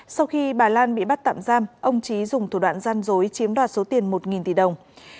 sau khi bà lan bị bắt tạm giam ông trí dùng thủ đoạn gian dối chiếm đoạt số tiền một tỷ đồng